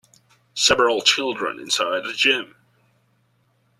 Several children inside a gym.